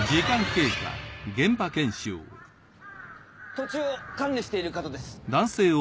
土地を管理している方です。